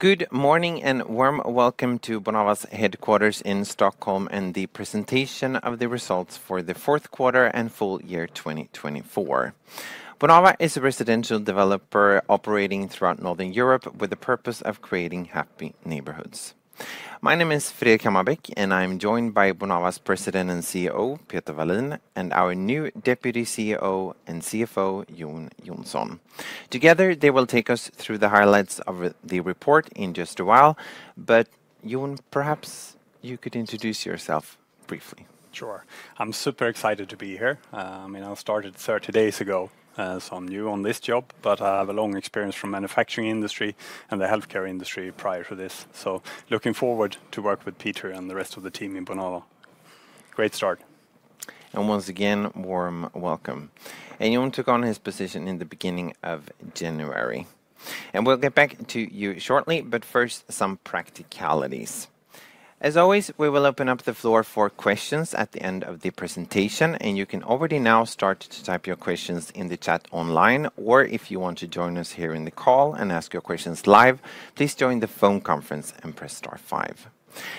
Good morning and warm welcome to Bonava's headquarters in Stockholm and the presentation of the results for the fourth quarter and full year 2024. Bonava is a residential developer operating throughout Northern Europe with the purpose of creating happy neighborhoods. My name is Fredrik Hammarbäck, and I'm joined by Bonava's President and CEO, Peter Wallin, and our new Deputy CEO and CFO, Jon Johnsson. Together, they will take us through the highlights of the report in just a while. But Jon, perhaps you could introduce yourself briefly. Sure. I'm super excited to be here. I mean, I started 30 days ago, so I'm new on this job, but I have a long experience from the manufacturing industry and the healthcare industry prior to this. So looking forward to working with Peter and the rest of the team in Bonava. Great start. And once again, warm welcome. And Jon took on his position in the beginning of January. And we'll get back to you shortly, but first, some practicalities. As always, we will open up the floor for questions at the end of the presentation, and you can already now start to type your questions in the chat online. Or if you want to join us here in the call and ask your questions live, please join the phone conference and press star five.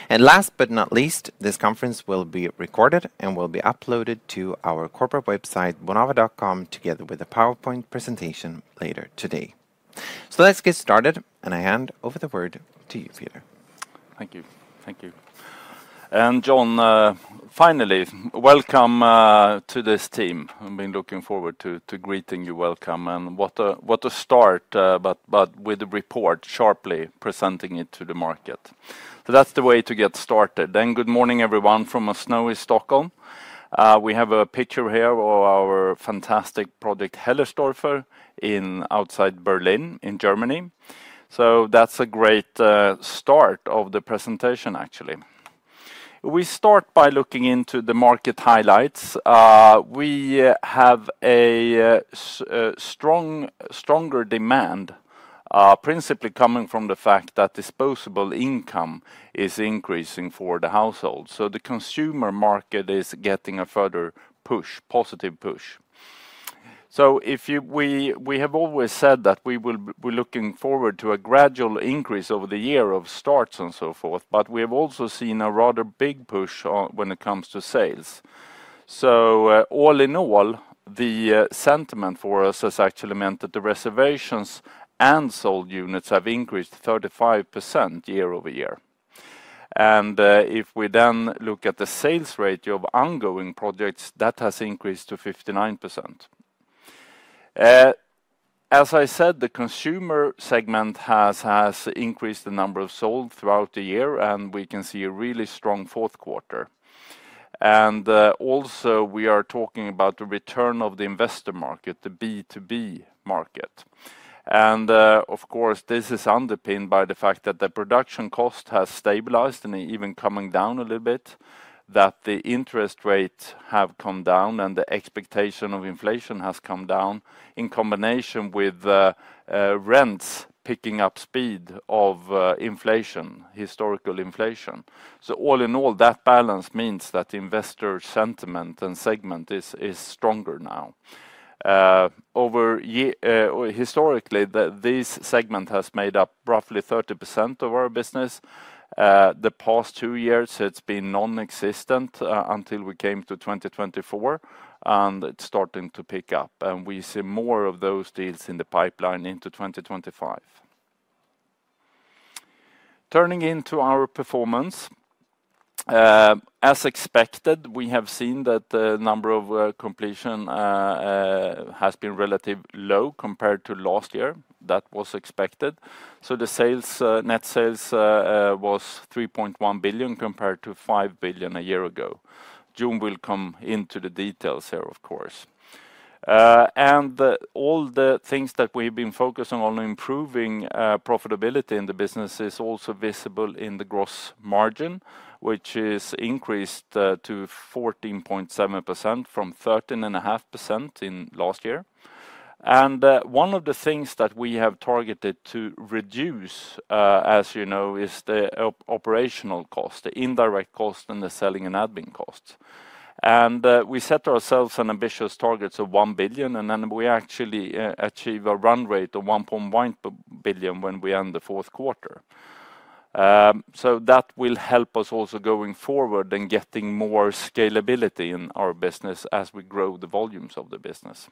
And last but not least, this conference will be recorded and will be uploaded to our corporate website, bonava.com, together with a PowerPoint presentation later today. So let's get started, and I hand over the word to you, Peter. Thank you. Thank you. And Jon, finally, welcome to this team. I've been looking forward to greeting you welcome and what a start, but with the report sharply presenting it to the market. So that's the way to get started. And good morning, everyone, from a snowy Stockholm. We have a picture here of our fantastic project, Hellersdorfer in outside Berlin in Germany. So that's a great start of the presentation, actually. We start by looking into the market highlights. We have a stronger demand, principally coming from the fact that disposable income is increasing for the households. So the consumer market is getting a further push, positive push. So we have always said that we're looking forward to a gradual increase over the year of starts and so forth, but we have also seen a rather big push when it comes to sales. So all in all, the sentiment for us has actually meant that the reservations and sold units have increased 35% year-over-year. And if we then look at the sales ratio of ongoing projects, that has increased to 59%. As I said, the consumer segment has increased the number of sold throughout the year, and we can see a really strong fourth quarter. And also, we are talking about the return of the investor market, the B2B market. And of course, this is underpinned by the fact that the production cost has stabilized and even coming down a little bit, that the interest rates have come down and the expectation of inflation has come down in combination with rents picking up speed of inflation, historical inflation. So all in all, that balance means that investor sentiment and segment is stronger now. Historically, this segment has made up roughly 30% of our business. The past two years, it's been non-existent until we came to 2024, and it's starting to pick up, and we see more of those deals in the pipeline into 2025. Turning to our performance, as expected, we have seen that the number of completions has been relatively low compared to last year. That was expected. So the net sales was 3.1 billion compared to 5 billion a year ago. Jon will come into the details here, of course. All the things that we've been focusing on improving profitability in the business is also visible in the gross margin, which has increased to 14.7% from 13.5% last year. One of the things that we have targeted to reduce, as you know, is the operational cost, the indirect cost, and the selling and admin costs. We set ourselves an ambitious target of 1 billion, and then we actually achieve a run rate of 1.1 billion when we end the fourth quarter. That will help us also going forward and getting more scalability in our business as we grow the volumes of the business.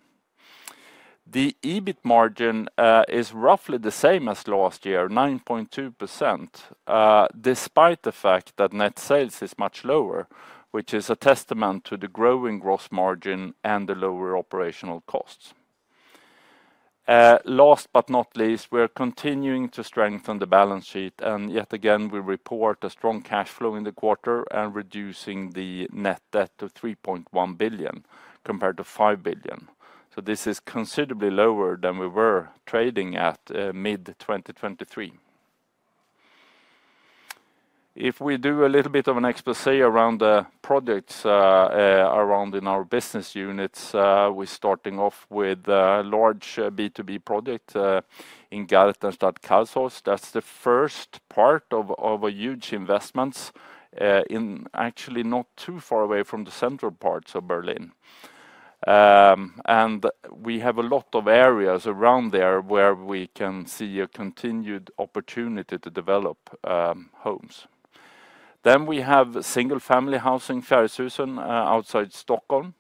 The EBIT margin is roughly the same as last year, 9.2%, despite the fact that net sales is much lower, which is a testament to the growing gross margin and the lower operational costs. Last but not least, we are continuing to strengthen the balance sheet, and yet again, we report a strong cash flow in the quarter and reducing the net debt to 3.1 billion compared to 5 billion. This is considerably lower than we were trading at mid-2023. If we do a little bit of an exposé around the projects around in our business units, we're starting off with a large B2B project in Gartenstadt Karlshorst. That's the first part of a huge investment in actually not too far away from the central parts of Berlin, and we have a lot of areas around there where we can see a continued opportunity to develop homes, then we have single-family housing in Furuhusen outside Stockholm,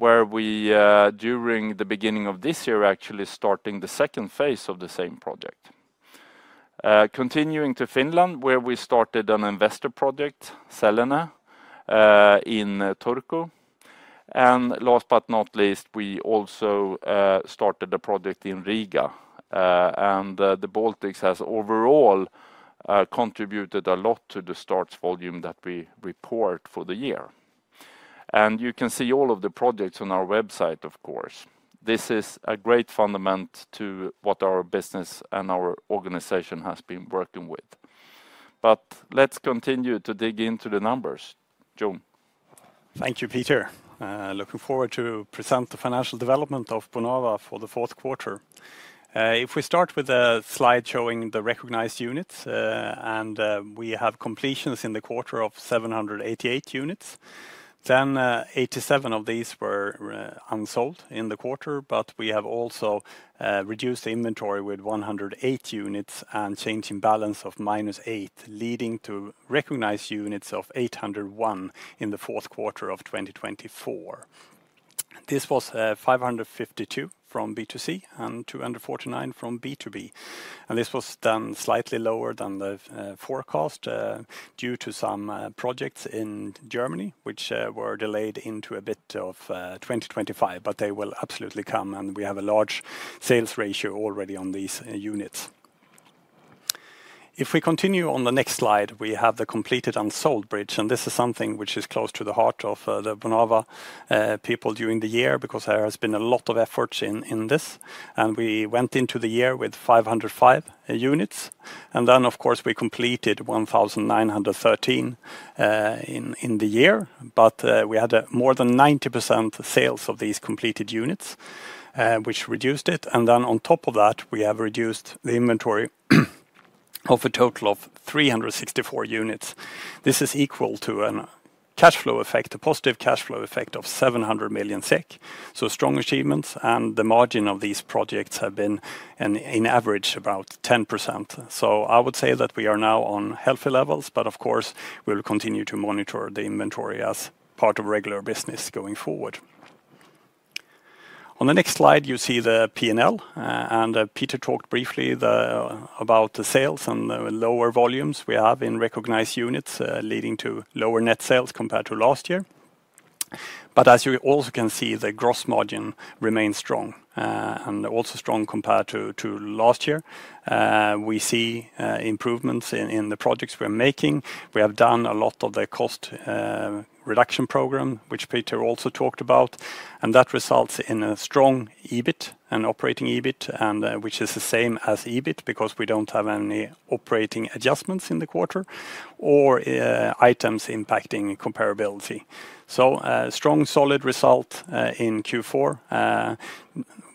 where we during the beginning of this year actually started the second phase of the same project. Continuing to Finland, where we started an investor project, Selena, in Turku, and last but not least, we also started a project in Riga, and the Baltics has overall contributed a lot to the starts volume that we report for the year. And you can see all of the projects on our website, of course. This is a great foundation to what our business and our organization has been working with. But let's continue to dig into the numbers. Jon. Thank you, Peter. Looking forward to present the financial development of Bonava for the fourth quarter. If we start with a slide showing the recognized units and we have completions in the quarter of 788 units, then 87 of these were unsold in the quarter, but we have also reduced the inventory with 108 units and changing balance of minus eight, leading to recognized units of 801 in the fourth quarter of 2024. This was 552 from B2C and 249 from B2B, and this was then slightly lower than the forecast due to some projects in Germany, which were delayed into a bit of 2025, but they will absolutely come and we have a large sales ratio already on these units. If we continue on the next slide, we have the completed unsold bridge, and this is something which is close to the heart of the Bonava people during the year because there has been a lot of effort in this, and we went into the year with 505 units. And then, of course, we completed 1,913 in the year, but we had more than 90% sales of these completed units, which reduced it, and then on top of that, we have reduced the inventory of a total of 364 units. This is equal to a cash flow effect, a positive cash flow effect of 700 million SEK. So strong achievements, and the margin of these projects have been in average about 10%. So I would say that we are now on healthy levels, but of course, we'll continue to monitor the inventory as part of regular business going forward. On the next slide, you see the P&L, and Peter talked briefly about the sales and the lower volumes we have in recognized units, leading to lower net sales compared to last year. But as you also can see, the gross margin remains strong and also strong compared to last year. We see improvements in the projects we're making. We have done a lot of the cost reduction program, which Peter also talked about, and that results in a strong EBIT and operating EBIT, which is the same as EBIT because we don't have any operating adjustments in the quarter or items impacting comparability. So a strong, solid result in Q4.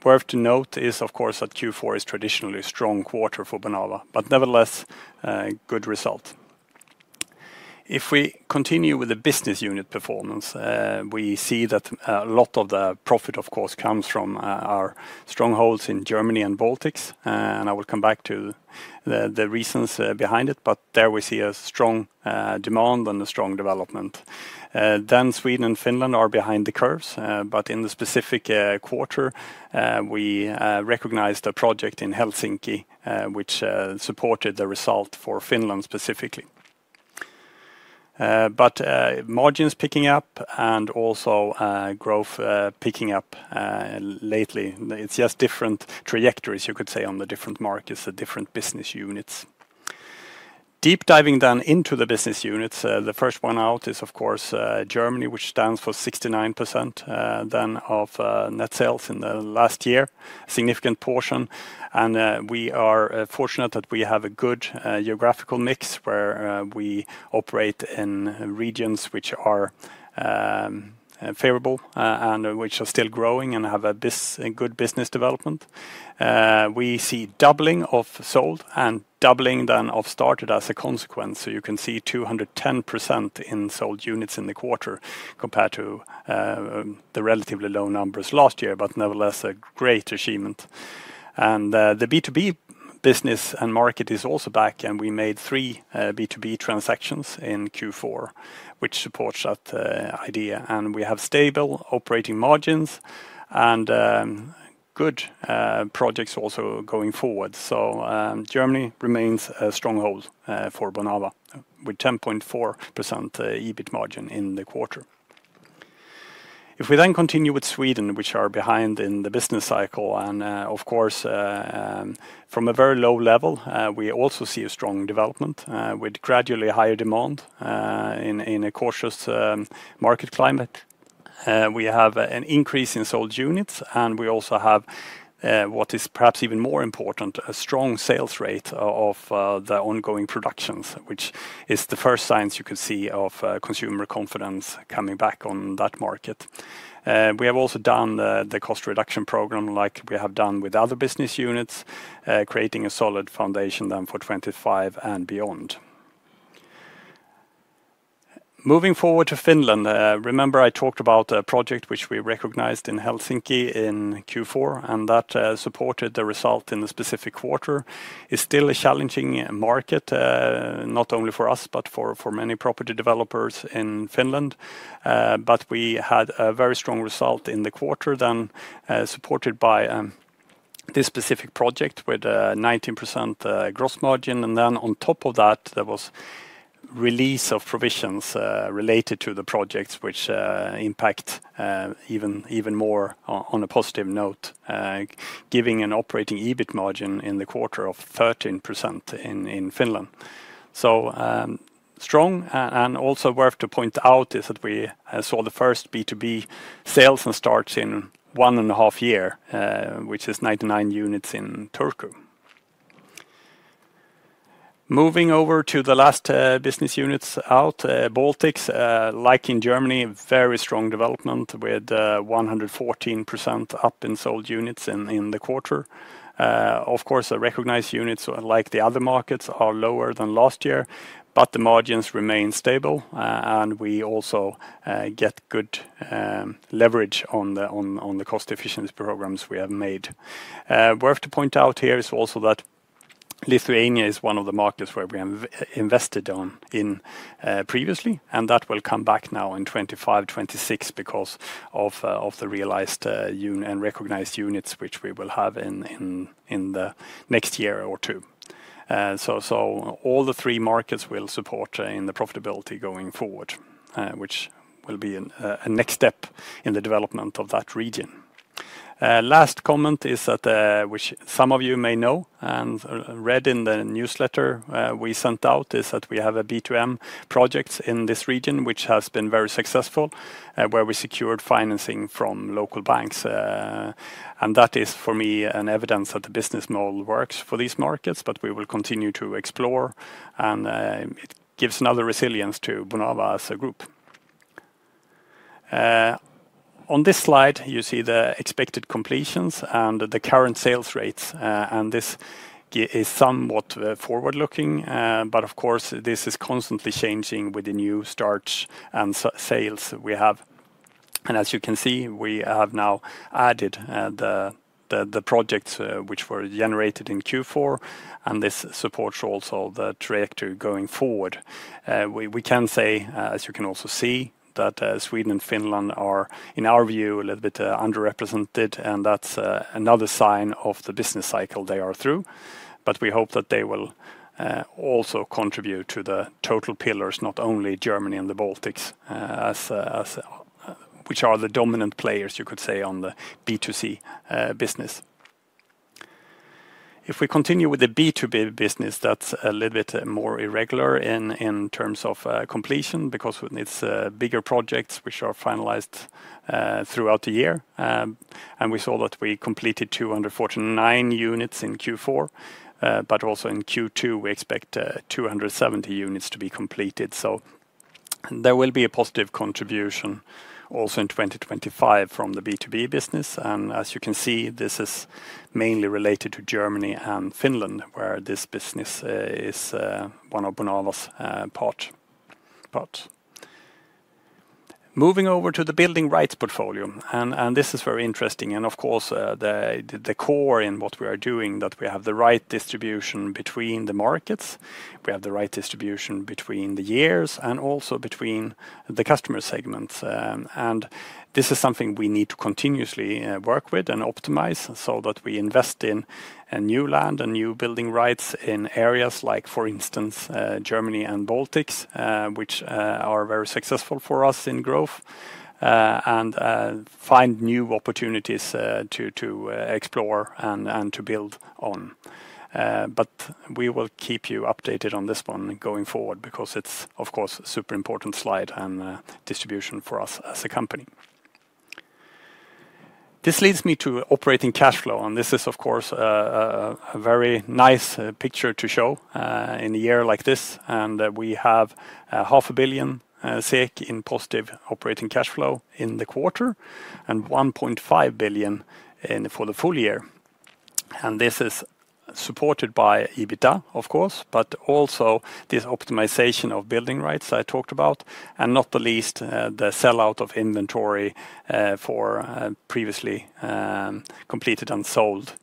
Worth to note is, of course, that Q4 is traditionally a strong quarter for Bonava, but nevertheless, a good result. If we continue with the business unit performance, we see that a lot of the profit, of course, comes from our strongholds in Germany and Baltics, and I will come back to the reasons behind it, but there we see a strong demand and a strong development, then Sweden and Finland are behind the curves, but in the specific quarter, we recognized a project in Helsinki, which supported the result for Finland specifically, but margins picking up and also growth picking up lately. It's just different trajectories, you could say, on the different markets and different business units. Deep diving then into the business units, the first one out is, of course, Germany, which stands for 69% then of net sales in the last year, a significant portion. And we are fortunate that we have a good geographical mix where we operate in regions which are favorable and which are still growing and have a good business development. We see doubling of sold and doubling then of started as a consequence. So you can see 210% in sold units in the quarter compared to the relatively low numbers last year, but nevertheless, a great achievement. And the B2B business and market is also back, and we made three B2B transactions in Q4, which supports that idea. And we have stable operating margins and good projects also going forward. So Germany remains a stronghold for Bonava with 10.4% EBIT margin in the quarter. If we then continue with Sweden, which are behind in the business cycle, and of course, from a very low level, we also see a strong development with gradually higher demand in a cautious market climate. We have an increase in sold units, and we also have what is perhaps even more important, a strong sales rate of the ongoing productions, which is the first signs you could see of consumer confidence coming back on that market. We have also done the cost reduction program like we have done with other business units, creating a solid foundation then for 2025 and beyond. Moving forward to Finland, remember I talked about a project which we recognized in Helsinki in Q4, and that supported the result in the specific quarter. It's still a challenging market, not only for us, but for many property developers in Finland, but we had a very strong result in the quarter then supported by this specific project with 19% gross margin. Then on top of that, there was release of provisions related to the projects, which impact even more on a positive note, giving an operating EBIT margin in the quarter of 13% in Finland. [This is] strong, and also worth to point out is that we saw the first B2B sales and starts in one and a half year, which is 99 units in Turku. Moving over to the last business unit, the Baltics, like in Germany, very strong development with 114% up in sold units in the quarter. Of course, recognized units, like the other markets, are lower than last year, but the margins remain stable, and we also get good leverage on the cost efficiency programs we have made. worth to point out here is also that Lithuania is one of the markets where we have invested in previously, and that will come back now in 2025, 2026 because of the realized and recognized units, which we will have in the next year or two. So all the three markets will support in the profitability going forward, which will be a next step in the development of that region. Last comment is that which some of you may know and read in the newsletter we sent out is that we have a B2M project in this region, which has been very successful, where we secured financing from local banks. And that is, for me, an evidence that the business model works for these markets, but we will continue to explore, and it gives another resilience to Bonava as a group. On this slide, you see the expected completions and the current sales rates, and this is somewhat forward-looking, but of course, this is constantly changing with the new starts and sales we have, and as you can see, we have now added the projects which were generated in Q4, and this supports also the trajectory going forward. We can say, as you can also see, that Sweden and Finland are, in our view, a little bit underrepresented, and that's another sign of the business cycle they are through, but we hope that they will also contribute to the total pillars, not only Germany and the Baltics, which are the dominant players, you could say, on the B2C business. If we continue with the B2B business, that's a little bit more irregular in terms of completion because it's bigger projects which are finalized throughout the year. And we saw that we completed 249 units in Q4, but also in Q2, we expect 270 units to be completed. So there will be a positive contribution also in 2025 from the B2B business. And as you can see, this is mainly related to Germany and Finland, where this business is one of Bonava's parts. Moving over to the building rights portfolio, and this is very interesting. And of course, the core in what we are doing is that we have the right distribution between the markets. We have the right distribution between the years and also between the customer segments. This is something we need to continuously work with and optimize so that we invest in new land and new building rights in areas like, for instance, Germany and Baltics, which are very successful for us in growth and find new opportunities to explore and to build on. But we will keep you updated on this one going forward because it's, of course, a super important slide and distribution for us as a company. This leads me to operating cash flow, and this is, of course, a very nice picture to show in a year like this. We have 500 million SEK in positive operating cash flow in the quarter and 1.5 billion for the full year. This is supported by EBITDA, of course, but also this optimization of building rights I talked about, and not the least, the sellout of inventory for previously completed and sold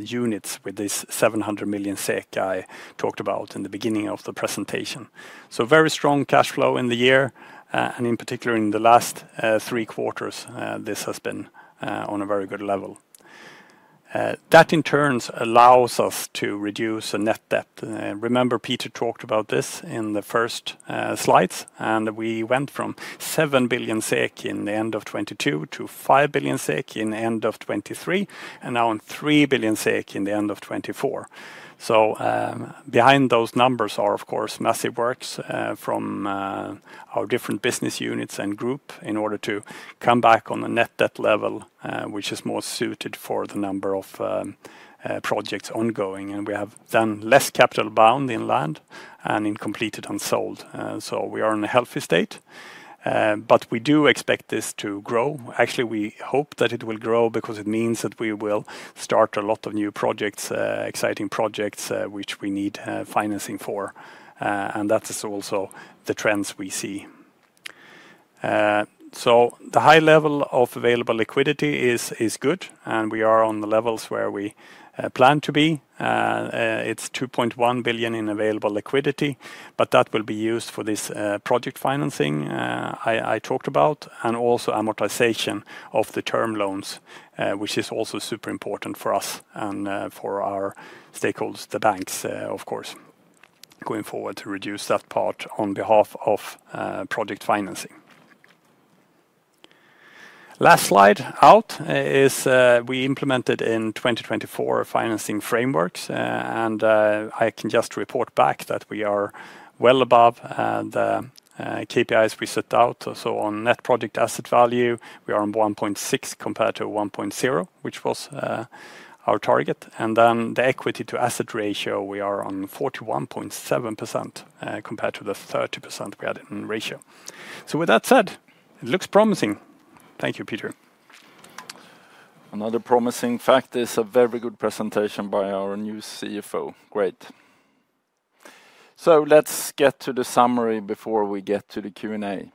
units with this 700 million SEK I talked about in the beginning of the presentation. So very strong cash flow in the year, and in particular in the last three quarters, this has been on a very good level. That, in turn, allows us to reduce net debt. Remember, Peter talked about this in the first slides, and we went from 7 billion SEK in the end of 2022 to 5 billion SEK in the end of 2023, and now 3 billion SEK in the end of 2024. So behind those numbers are, of course, massive works from our different business units and group in order to come back on a net debt level, which is more suited for the number of projects ongoing. And we have done less capital bound in land and in completed and sold. So we are in a healthy state, but we do expect this to grow. Actually, we hope that it will grow because it means that we will start a lot of new projects, exciting projects, which we need financing for. And that's also the trends we see. So the high level of available liquidity is good, and we are on the levels where we plan to be. It's 2.1 billion in available liquidity, but that will be used for this project financing I talked about, and also amortization of the term loans, which is also super important for us and for our stakeholders, the banks, of course, going forward to reduce that part on behalf of project financing. Last slide, we implemented in 2024 financing frameworks, and I can just report back that we are well above the KPIs we set out. So on net project asset value, we are on 1.6 compared to 1.0, which was our target. And then the equity to asset ratio, we are on 41.7% compared to the 30% we had in ratio. So with that said, it looks promising. Thank you, Peter. Another promising fact is a very good presentation by our new CFO. Great. So let's get to the summary before we get to the Q&A.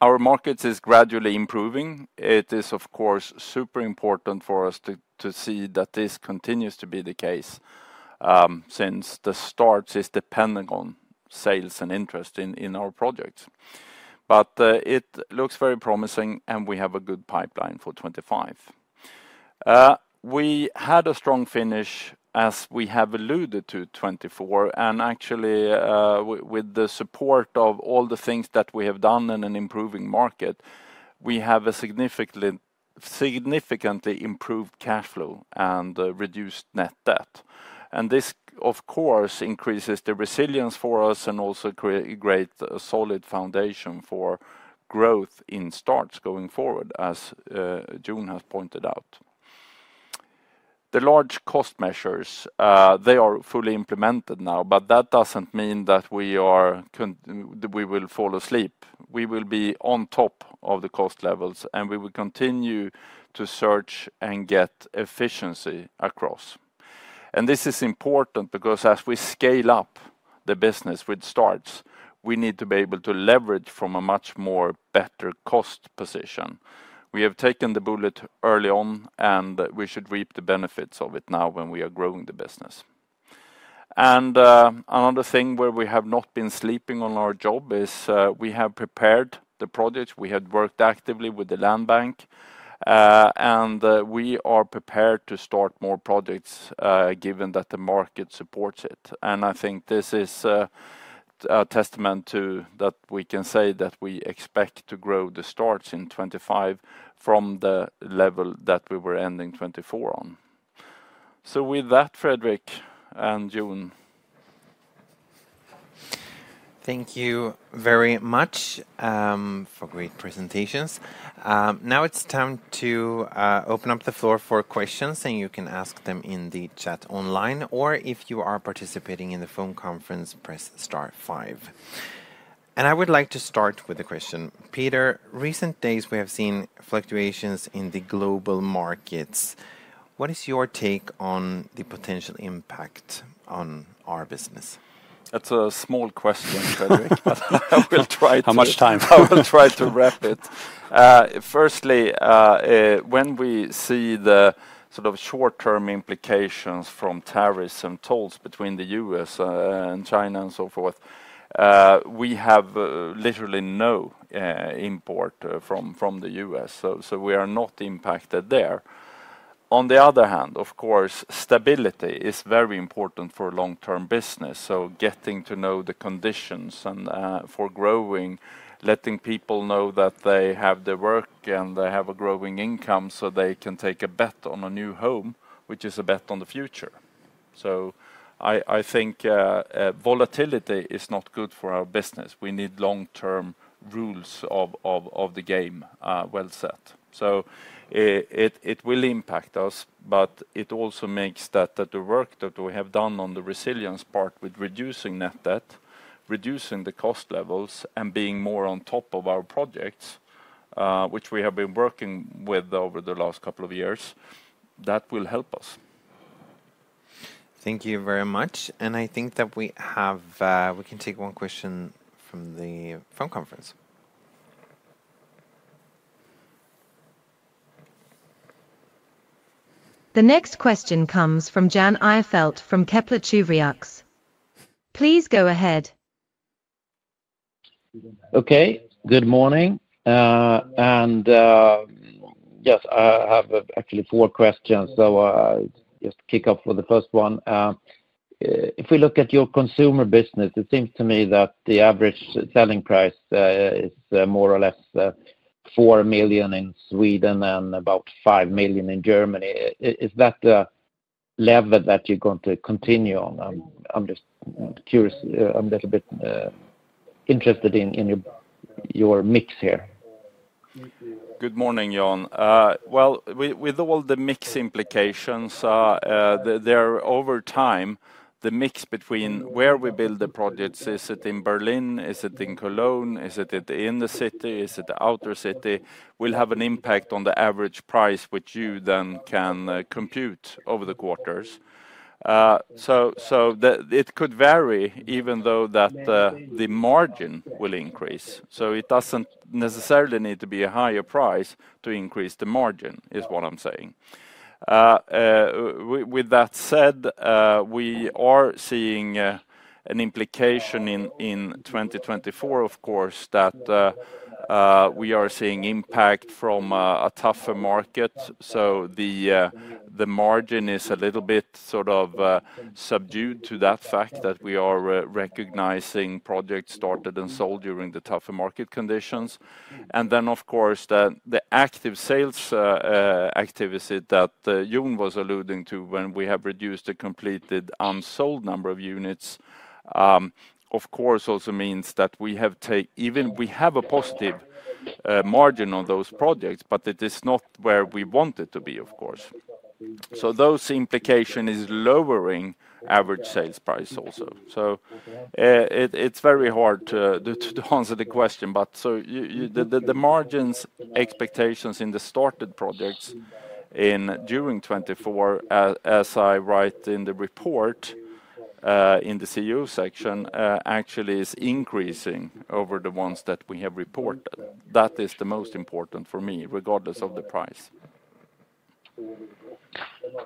Our market is gradually improving. It is, of course, super important for us to see that this continues to be the case since the start is dependent on sales and interest in our projects, but it looks very promising, and we have a good pipeline for 2025. We had a strong finish, as we have alluded to, 2024, and actually, with the support of all the things that we have done in an improving market, we have a significantly improved cash flow and reduced net debt, and this, of course, increases the resilience for us and also creates a solid foundation for growth in starts going forward, as Jon has pointed out. The large cost measures, they are fully implemented now, but that doesn't mean that we will fall asleep. We will be on top of the cost levels, and we will continue to search and get efficiency across. This is important because as we scale up the business with starts, we need to be able to leverage from a much more better cost position. We have taken the bullet early on, and we should reap the benefits of it now when we are growing the business. Another thing where we have not been sleeping on our job is we have prepared the projects. We had worked actively with the land bank, and we are prepared to start more projects given that the market supports it. I think this is a testament to that we can say that we expect to grow the starts in 2025 from the level that we were ending 2024 on. With that, Fredrik and Jon. Thank you very much for great presentations. Now it's time to open up the floor for questions, and you can ask them in the chat online, or if you are participating in the phone conference, press star five, and I would like to start with a question. Peter, recent days we have seen fluctuations in the global markets. What is your take on the potential impact on our business? That's a small question, Fredrik, but I will try to. How much time? I will try to wrap it. Firstly, when we see the sort of short-term implications from tariffs and tolls between the U.S. and China and so forth, we have literally no import from the U.S. So we are not impacted there. On the other hand, of course, stability is very important for long-term business. So getting to know the conditions for growing, letting people know that they have their work and they have a growing income so they can take a bet on a new home, which is a bet on the future. So I think volatility is not good for our business. We need long-term rules of the game well set. So it will impact us, but it also makes that the work that we have done on the resilience part with reducing net debt, reducing the cost levels, and being more on top of our projects, which we have been working with over the last couple of years, that will help us. Thank you very much. And I think that we can take one question from the phone conference. The next question comes from Jan Ihrfelt from Kepler Cheuvreux. Please go ahead. Okay. Good morning. And yes, I have actually four questions. I'll just kick off with the first one. If we look at your consumer business, it seems to me that the average selling price is more or less 4 million in Sweden and about 5 million in Germany. Is that the level that you're going to continue on? I'm just curious. I'm a little bit interested in your mix here. Good morning, Jan. With all the mix implications, there over time, the mix between where we build the projects, is it in Berlin, is it in Cologne, is it in the city, is it outer city, will have an impact on the average price, which you then can compute over the quarters. So it could vary, even though the margin will increase. So it doesn't necessarily need to be a higher price to increase the margin, is what I'm saying. With that said, we are seeing an implication in 2024, of course, that we are seeing impact from a tougher market, so the margin is a little bit sort of subdued to that fact that we are recognizing projects started and sold during the tougher market conditions, and then, of course, the active sales activity that Jon was alluding to when we have reduced the completed unsold number of units, of course, also means that we have a positive margin on those projects, but it is not where we want it to be, of course, so those implications are lowering average sales price also, so it's very hard to answer the question, but so the margins expectations in the started projects during 2024, as I write in the report in the CEO section, actually is increasing over the ones that we have reported. That is the most important for me, regardless of the price.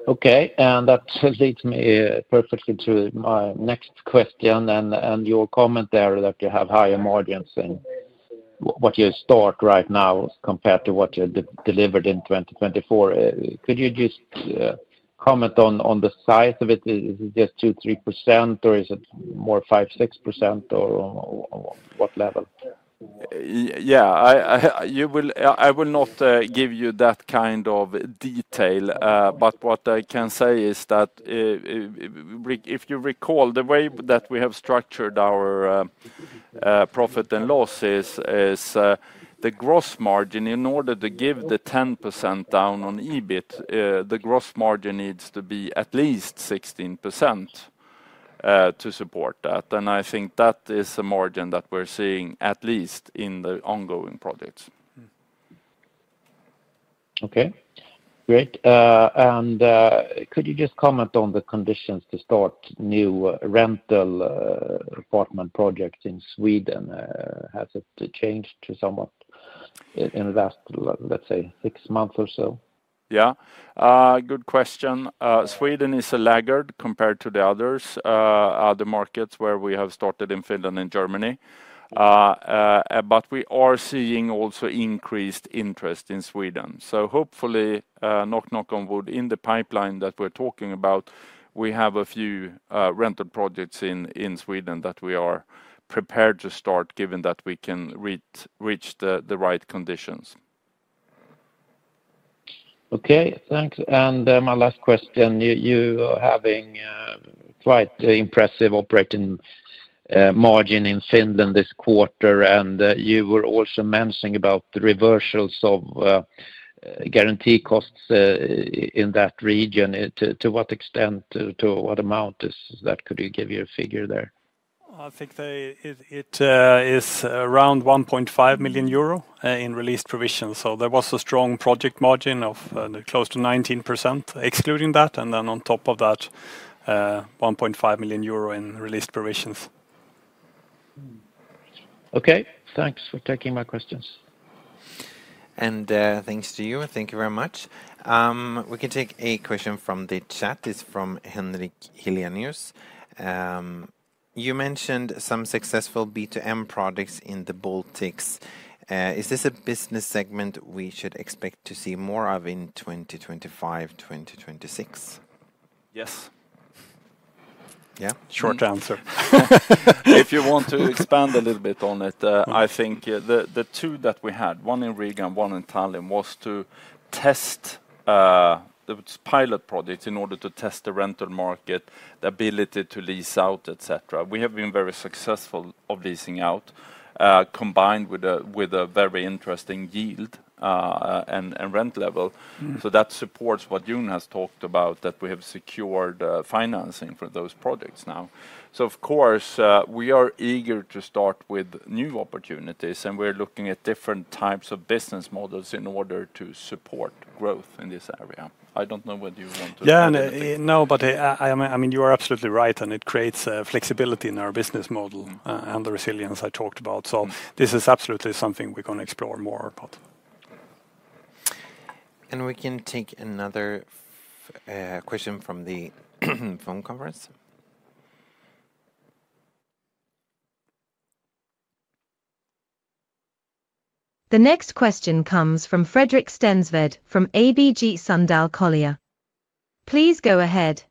Okay. And that leads me perfectly to my next question and your comment there that you have higher margins than what you start right now compared to what you delivered in 2024. Could you just comment on the size of it? Is it just 2%-3%, or is it more 5%-6%, or what level? Yeah. I will not give you that kind of detail, but what I can say is that if you recall the way that we have structured our profit and losses, the gross margin in order to give the 10% down on EBIT, the gross margin needs to be at least 16% to support that. And I think that is a margin that we're seeing at least in the ongoing projects. Okay. Great. Could you just comment on the conditions to start new rental apartment projects in Sweden? Has it changed somewhat in the last, let's say, six months or so? Yeah. Good question. Sweden is a laggard compared to the other markets where we have started in Finland and Germany. But we are seeing also increased interest in Sweden. So hopefully, knock, knock on wood, in the pipeline that we're talking about, we have a few rental projects in Sweden that we are prepared to start, given that we can reach the right conditions. Okay. Thanks. My last question. You are having quite an impressive operating margin in Finland this quarter, and you were also mentioning about the reversals of guarantee costs in that region. To what extent, to what amount is that? Could you give you a figure there? I think it is around 1.5 million euro in released provisions. So there was a strong project margin of close to 19% excluding that, and then on top of that, 1.5 million euro in released provisions. Okay. Thanks for taking my questions. And thanks to you. Thank you very much. We can take a question from the chat. It is from Henrik Helenius. You mentioned some successful B2M projects in the Baltics. Is this a business segment we should expect to see more of in 2025, 2026? Yes. Yeah? Short answer. If you want to expand a little bit on it, I think the two that we had, one in Riga and one in Tallinn, was to test the pilot projects in order to test the rental market, the ability to lease out, etc. We have been very successful at leasing out, combined with a very interesting yield and rent level. So that supports what Jon has talked about, that we have secured financing for those projects now. So of course, we are eager to start with new opportunities, and we're looking at different types of business models in order to support growth in this area. I don't know whether you want to. Yeah. No, but I mean, you are absolutely right, and it creates flexibility in our business model and the resilience I talked about. So this is absolutely something we're going to explore more. And we can take another question from the phone conference. The next question comes from Fredrik Stensved from ABG Sundal Collier. Please go ahead.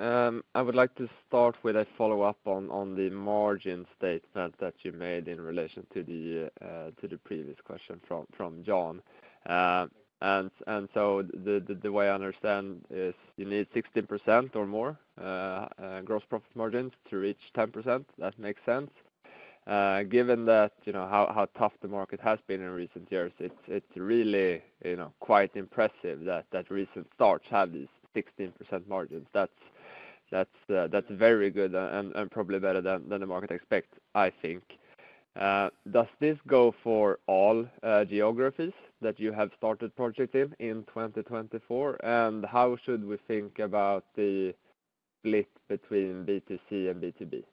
I would like to start with a follow-up on the margin statement that you made in relation to the previous question from Jon. And so the way I understand is you need 16% or more gross profit margins to reach 10%. That makes sense. Given how tough the market has been in recent years, it's really quite impressive that recent starts have these 16% margins. That's very good and probably better than the market expects, I think. Does this go for all geographies that you have started projects in in 2024? And how should we think about the split between B2C and B2B?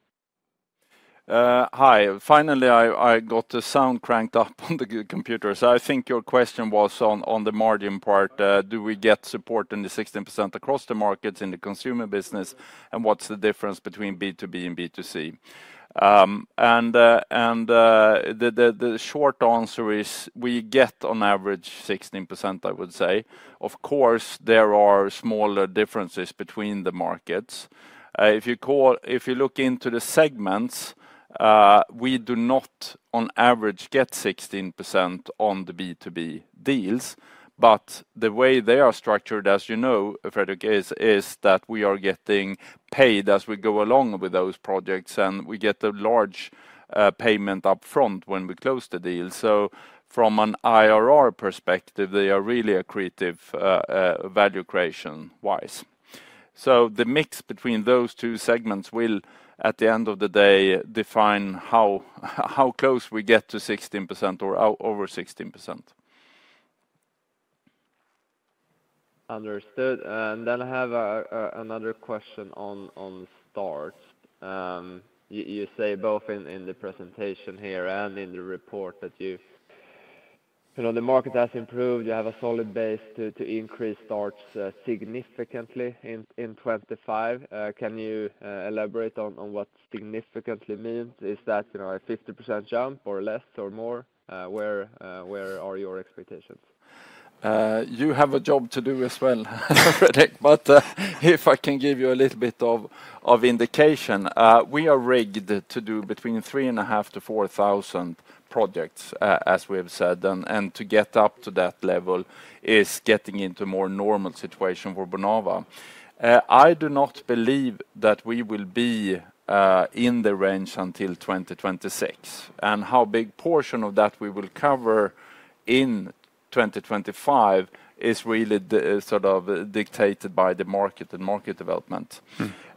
Hi. Finally, I got the sound cranked up on the computer. So I think your question was on the margin part. Do we get support in the 16% across the markets in the consumer business, and what's the difference between B2B and B2C? And the short answer is we get on average 16%, I would say. Of course, there are smaller differences between the markets. If you look into the segments, we do not, on average, get 16% on the B2B deals. But the way they are structured, as you know, Fredrik, is that we are getting paid as we go along with those projects, and we get a large payment upfront when we close the deal. So from an IRR perspective, they are really a creative value creation wise. So the mix between those two segments will, at the end of the day, define how close we get to 16% or over 16%. Understood. And then I have another question on starts. You say both in the presentation here and in the report that the market has improved, you have a solid base to increase starts significantly in 2025. Can you elaborate on what significantly means? Is that a 50% jump or less or more? Where are your expectations? You have a job to do as well, Fredrik, but if I can give you a little bit of indication, we are geared to do between 3,500-4,000 projects, as we have said, and to get up to that level is getting into a more normal situation for Bonava. I do not believe that we will be in the range until 2026. And how big a portion of that we will cover in 2025 is really sort of dictated by the market and market development.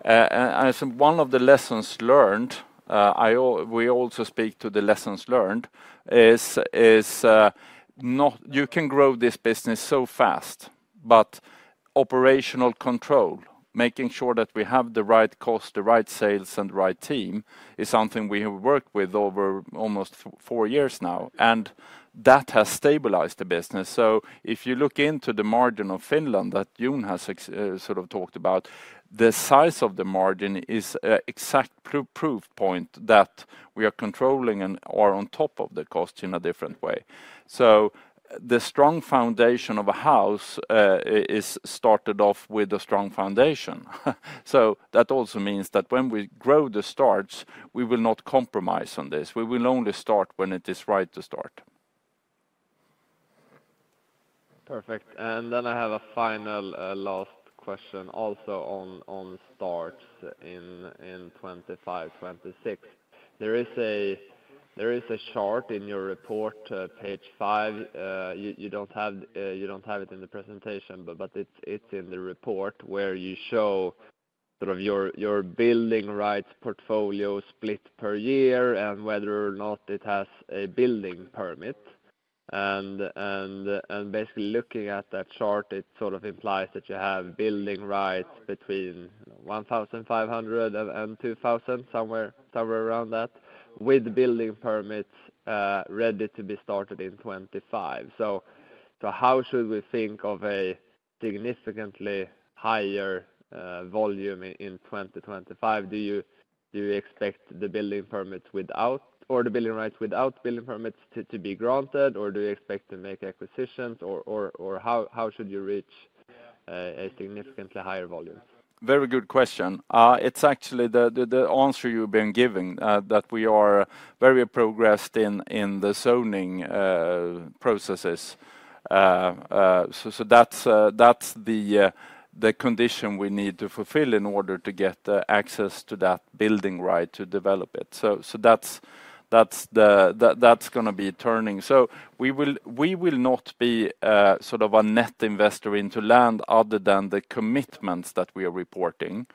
And one of the lessons learned, we also speak to the lessons learned, is you can grow this business so fast, but operational control, making sure that we have the right costs, the right sales, and the right team is something we have worked with over almost four years now, and that has stabilized the business. So if you look into the margin in Finland that Jon has sort of talked about, the size of the margin is an exact proof point that we are controlling and are on top of the costs in a different way. The strong foundation of a house is started off with a strong foundation. That also means that when we grow the starts, we will not compromise on this. We will only start when it is right to start. Perfect. I have a final question also on starts in 2025, 2026. There is a chart in your report, page five. You don't have it in the presentation, but it's in the report where you show sort of your building rights portfolio split per year and whether or not it has a building permit. Basically looking at that chart, it sort of implies that you have building rights between 1,500 and 2,000, somewhere around that, with building permits ready to be started in 2025. How should we think of a significantly higher volume in 2025? Do you expect the building permits without or the building rights without building permits to be granted, or do you expect to make acquisitions, or how should you reach a significantly higher volume? Very good question. It's actually the answer you've been giving, that we are very progressed in the zoning processes. That's the condition we need to fulfill in order to get access to that building right to develop it. That's going to be turning. We will not be sort of a net investor into land other than the commitments that we are reporting.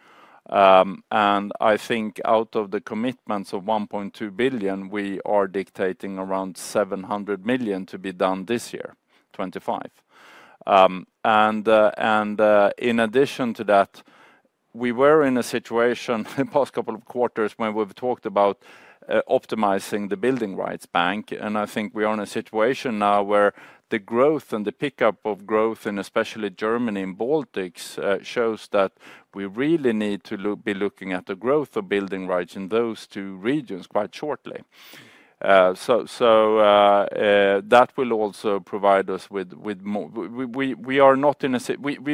I think out of the commitments of 1.2 billion, we are dictating around 700 million to be done this year, 2025. In addition to that, we were in a situation the past couple of quarters when we've talked about optimizing the building rights bank. I think we are in a situation now where the growth and the pickup of growth, and especially Germany and Baltics, shows that we really need to be looking at the growth of building rights in those two regions quite shortly. So that will also provide us with more. We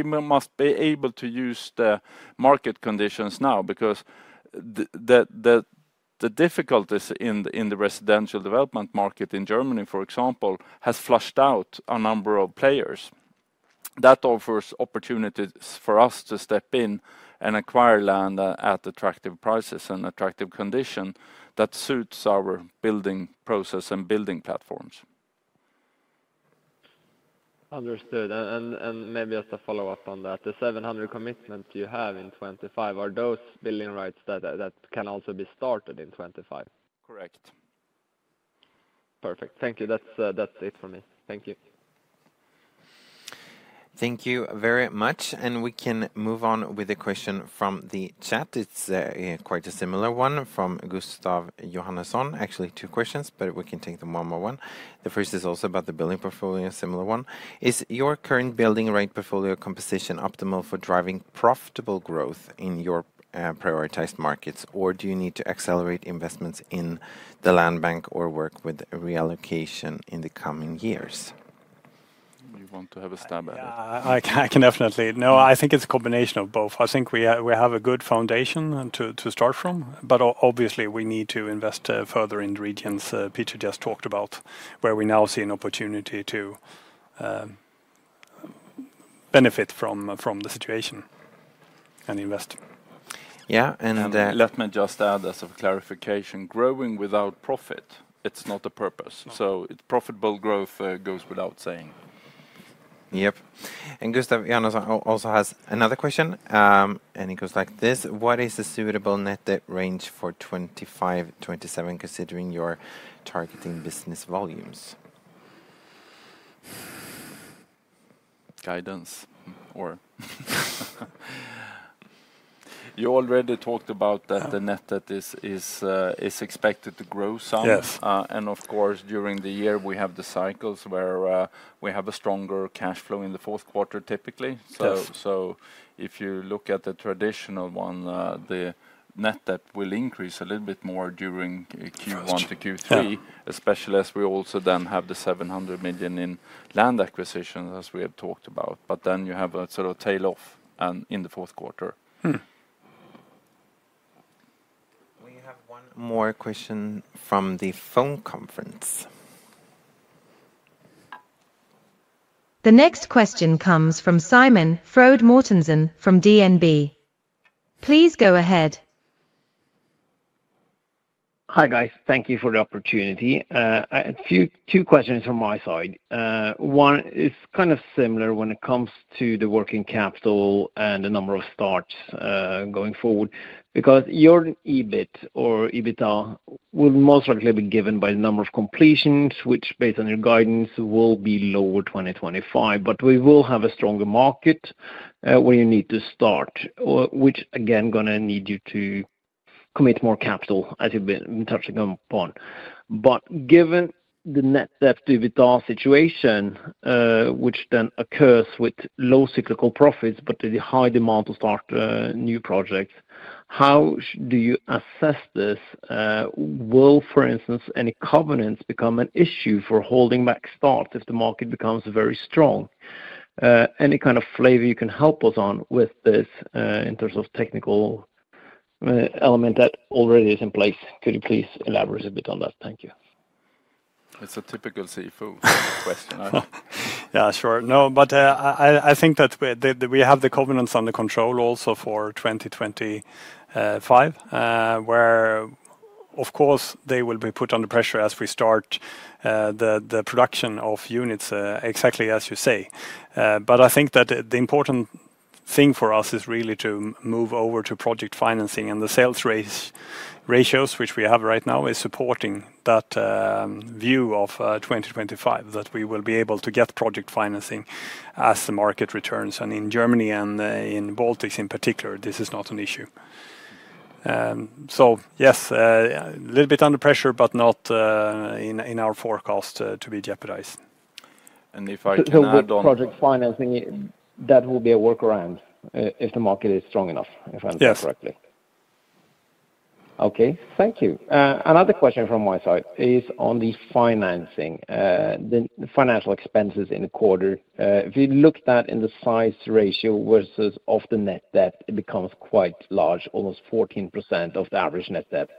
must be able to use the market conditions now because the difficulties in the residential development market in Germany, for example, have flushed out a number of players. That offers opportunities for us to step in and acquire land at attractive prices and attractive conditions that suit our building process and building platforms. Understood. And maybe as a follow-up on that, the 700 commitments you have in 25, are those building rights that can also be started in 25? Correct. Perfect. Thank you. That's it for me. Thank you. Thank you very much. And we can move on with a question from the chat. It's quite a similar one from Gustav Johannesson. Actually, two questions, but we can take them one by one. The first is also about the building rights portfolio, a similar one. Is your current building rights portfolio composition optimal for driving profitable growth in your prioritized markets, or do you need to accelerate investments in the land bank or work with reallocation in the coming years? You want to have a stab at it. I can definitely no, I think it's a combination of both. I think we have a good foundation to start from, but obviously, we need to invest further in the regions Peter just talked about, where we now see an opportunity to benefit from the situation and invest. Yeah. And let me just add as a clarification, growing without profit, it's not the purpose. So profitable growth goes without saying. Yep. And Gustav Johannesson also has another question, and it goes like this: What is the suitable net debt range for 2025-2027, considering your targeting business volumes? Guidance or you already talked about that the net debt that is expected to grow some. And of course, during the year, we have the cycles where we have a stronger cash flow in the fourth quarter, typically. So if you look at the traditional one, the net that will increase a little bit more during Q1 to Q3, especially as we also then have the 700 million in land acquisitions, as we have talked about. But then you have a sort of tail off in the fourth quarter. We have one more question from the phone conference. The next question comes from Simon Frøde Mortensen from DNB. Please go ahead. Hi guys. Thank you for the opportunity. Two questions from my side. One is kind of similar when it comes to the working capital and the number of starts going forward, because your EBIT or EBITDA will most likely be given by the number of completions, which, based on your guidance, will be lower 2025. But we will have a stronger market where you need to start, which, again, is going to need you to commit more capital, as you've been touching upon. But given the net EBITDA situation, which then occurs with low cyclical profits, but the high demand to start new projects, how do you assess this? Will, for instance, any covenants become an issue for holding back starts if the market becomes very strong? Any kind of flavor you can help us on with this in terms of technical element that already is in place? Could you please elaborate a bit on that? Thank you. It's a typical CFO question. Yeah, sure. No, but I think that we have the covenants under control also for 2025, where, of course, they will be put under pressure as we start the production of units, exactly as you say. But I think that the important thing for us is really to move over to project financing, and the sales ratios, which we have right now, are supporting that view of 2025, that we will be able to get project financing as the market returns. And in Germany and in Baltics, in particular, this is not an issue. So yes, a little bit under pressure, but not in our forecast to be jeopardized. And if I can add on that, project financing, that will be a workaround if the market is strong enough, if I understand correctly. Yes. Okay. Thank you. Another question from my side is on the financing, the financial expenses in the quarter. If you look at that in the size ratio versus the net debt, it becomes quite large, almost 14% of the average net debt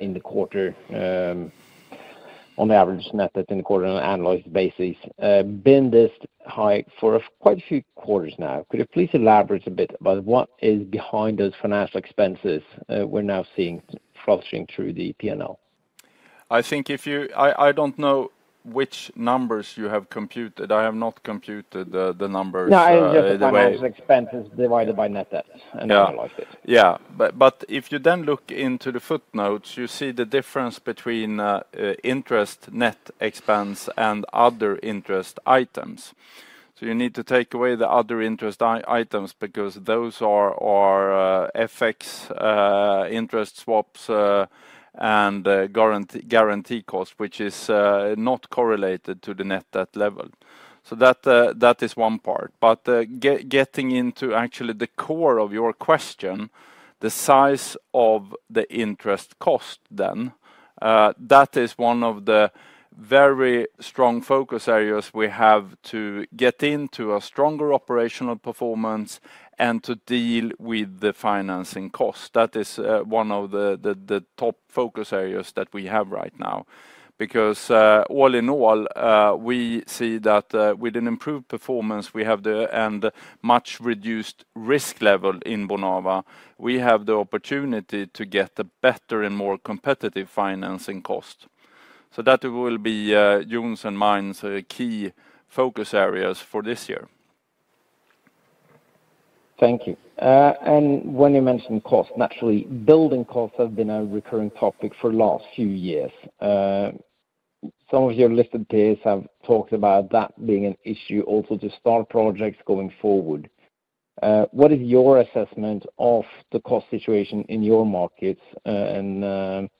in the quarter, on the average net debt in the quarter on an annualized basis. It's been this high for quite a few quarters now. Could you please elaborate a bit about what is behind those financial expenses we're now seeing fluctuating through the P&L? I think, I don't know which numbers you have computed. I have not computed the numbers. No, financial expenses divided by net debt and annualized it. Yeah. But if you then look into the footnotes, you see the difference between net interest expense and other interest items. So you need to take away the other interest items because those are FX interest swaps and guarantee cost, which is not correlated to the net debt level. So that is one part. But getting into actually the core of your question, the size of the interest cost then, that is one of the very strong focus areas we have to get into a stronger operational performance and to deal with the financing cost. That is one of the top focus areas that we have right now, because all in all, we see that with an improved performance, we have the and much reduced risk level in Bonava, we have the opportunity to get a better and more competitive financing cost. So that will be Jon's and mine's key focus areas for this year. Thank you. And when you mentioned cost, naturally, building costs have been a recurring topic for the last few years. Some of your listed peers have talked about that being an issue also to start projects going forward. What is your assessment of the cost situation in your markets? And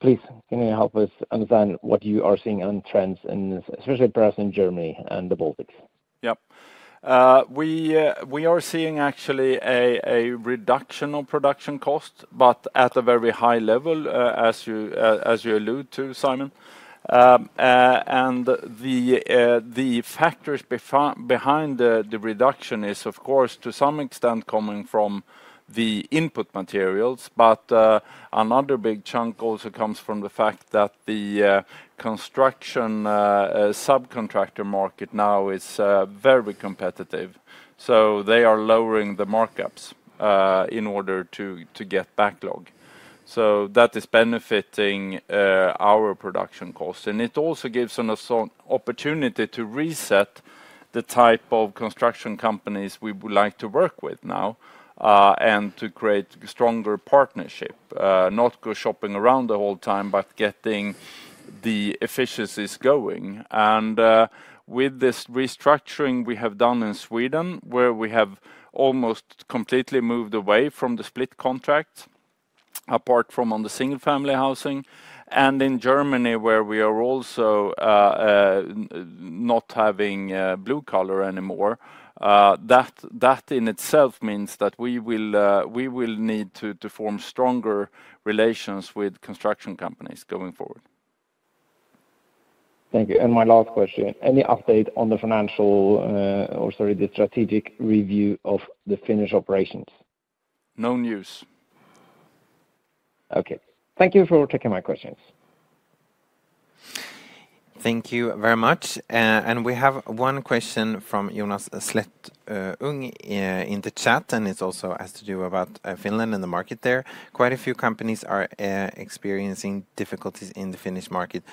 please, can you help us understand what you are seeing on trends, especially perhaps in Germany and the Baltics? Yep. We are seeing actually a reduction of production costs, but at a very high level, as you alluded to, Simon. And the factors behind the reduction is, of course, to some extent coming from the input materials, but another big chunk also comes from the fact that the construction subcontractor market now is very competitive. So they are lowering the markups in order to get backlog. So that is benefiting our production costs. And it also gives us an opportunity to reset the type of construction companies we would like to work with now and to create a stronger partnership, not go shopping around the whole time, but getting the efficiencies going. And with this restructuring we have done in Sweden, where we have almost completely moved away from the split contracts, apart from on the single-family housing, and in Germany, where we are also not having blue collar anymore, that in itself means that we will need to form stronger relations with construction companies going forward. Thank you. And my last question, any update on the financial or, sorry, the strategic review of the Finnish operations? No news. Okay. Thank you for taking my questions. Thank you very much. And we have one question from Jonas Slätthoug in the chat, and it also has to do about Finland and the market there. Quite a few companies are experiencing difficulties in the Finnish market.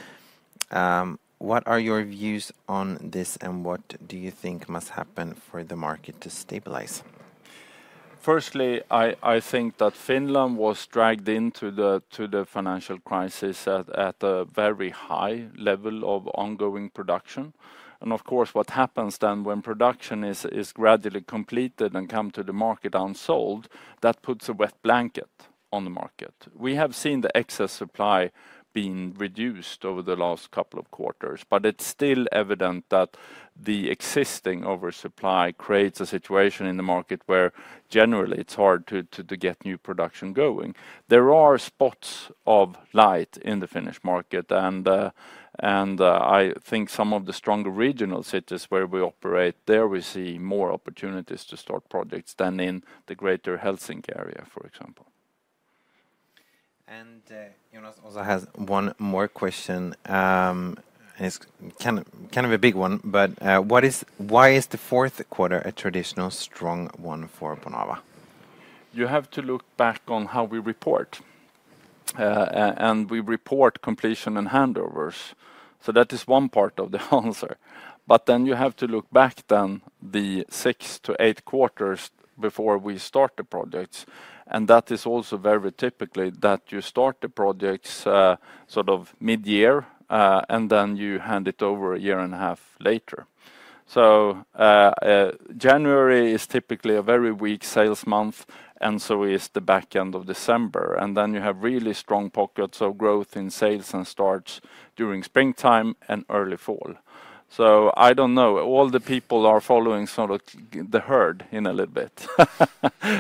What are your views on this, and what do you think must happen for the market to stabilize? Firstly, I think that Finland was dragged into the financial crisis at a very high level of ongoing production. And of course, what happens then when production is gradually completed and comes to the market unsold, that puts a wet blanket on the market. We have seen the excess supply being reduced over the last couple of quarters, but it's still evident that the existing oversupply creates a situation in the market where generally it's hard to get new production going. There are spots of light in the Finnish market, and I think some of the stronger regional cities where we operate, there we see more opportunities to start projects than in the greater Helsinki area, for example. And Jonas also has one more question. It's kind of a big one, but why is the fourth quarter a traditional strong one for Bonava? You have to look back on how we report, and we report completion and handovers. So that is one part of the answer. But then you have to look back then the six to eight quarters before we start the projects. And that is also very typically that you start the projects sort of mid-year, and then you hand it over a year and a half later. So January is typically a very weak sales month, and so is the back end of December. And then you have really strong pockets of growth in sales and starts during springtime and early fall. So I don't know, all the people are following sort of the herd in a little bit,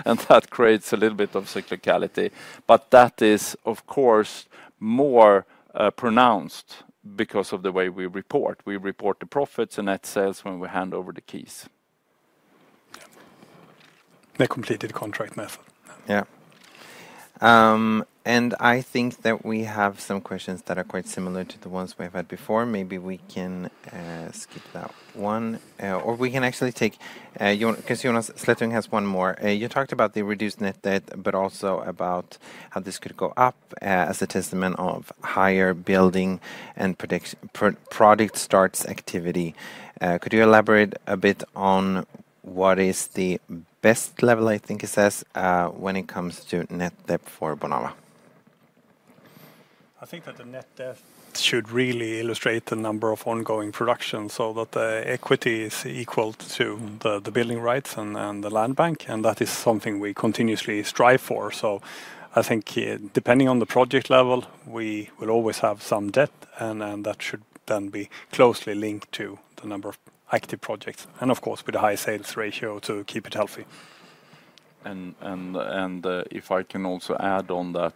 and that creates a little bit of cyclicality. But that is, of course, more pronounced because of the way we report. We report the profits and net sales when we hand over the keys. The completed contract method. Yeah, and I think that we have some questions that are quite similar to the ones we have had before. Maybe we can skip that one, or we can actually take because Jonas Slätthoug has one more. You talked about the reduced net debt, but also about how this could go up as a testament of higher building and product starts activity. Could you elaborate a bit on what is the best level, I think it says, when it comes to net debt for Bonava? I think that the net debt should really illustrate the number of ongoing production so that the equity is equal to the building rights and the land bank, and that is something we continuously strive for. So I think depending on the project level, we will always have some debt, and that should then be closely linked to the number of active projects, and of course, with a high sales ratio to keep it healthy. And if I can also add on that,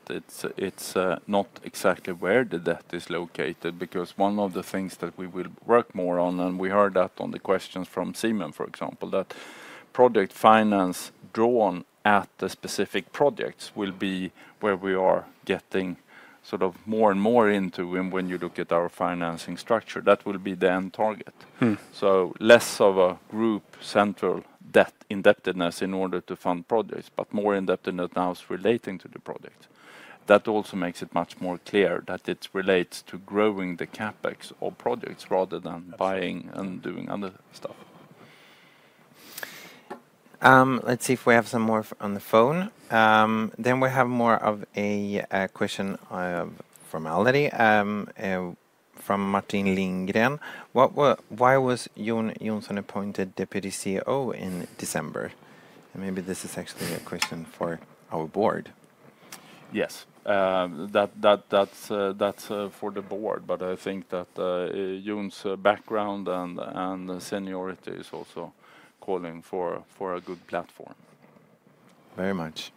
it's not exactly where the debt is located, because one of the things that we will work more on, and we heard that on the questions from Simon, for example, that project finance drawn at the specific projects will be where we are getting sort of more and more into when you look at our financing structure. That will be the end target. So less of a group central debt indebtedness in order to fund projects, but more indebtedness now is relating to the projects. That also makes it much more clear that it relates to growing the CapEx of projects rather than buying and doing other stuff. Let's see if we have some more on the phone. Then we have more of a question of formality from Martin Lindgren. Why was Jon appointed Deputy CEO in December? And maybe this is actually a question for our board. Yes. That's for the board, but I think that Jon's background and seniority is also calling for a good platform. Very much.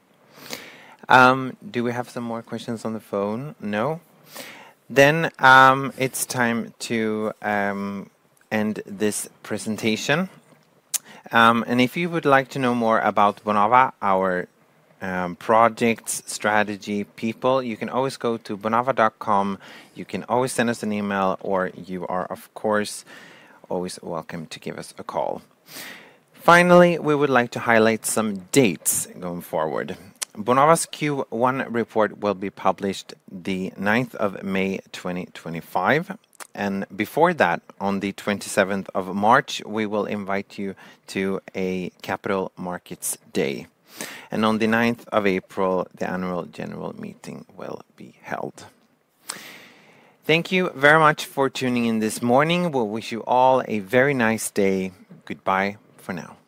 Do we have some more questions on the phone? No. Then it's time to end this presentation. And if you would like to know more about Bonava, our project strategy people, you can always go to bonava.com. You can always send us an email, or you are, of course, always welcome to give us a call. Finally, we would like to highlight some dates going forward. Bonava's Q1 report will be published the 9th of May 2025. And before that, on the 27th of March, we will invite you to a Capital Markets Day. And on the 9th of April, the annual general meeting will be held. Thank you very much for tuning in this morning. We wish you all a very nice day. Goodbye for now.